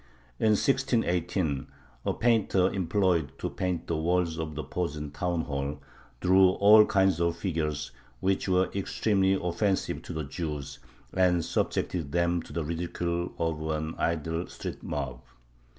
In 1618 a painter employed to paint the walls of the Posen town hall drew all kinds of figures which were extremely offensive to the Jews, and subjected them to the ridicule of an idle street mob.